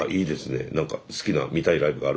何か好きな見たいライブがあるわけ？